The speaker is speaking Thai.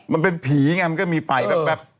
มันเป็นผีไงมันก็มีไฟแบบ